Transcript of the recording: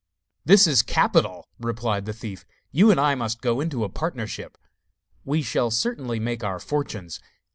'This is capital,' replied the thief. 'You and I must go into partnership. We shall certainly make our fortunes.